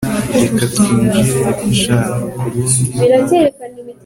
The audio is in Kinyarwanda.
reka twinjire shnkurundi ruhande